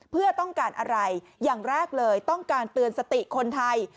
เพื่อต้องการอะไรอย่างแรกเลยต้องการเตือนสติคนไทย